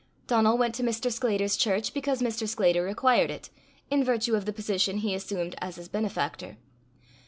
Donal went to Mr. Sclater's church because Mr. Sclater required it, in virtue of the position he assumed as his benefactor.